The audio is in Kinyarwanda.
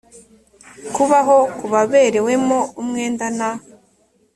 kubaho ku baberewemo umwenda na